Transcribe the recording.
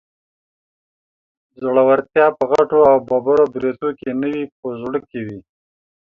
زړورتيا په غټو او ببرو برېتو کې نه وي، په زړه کې وي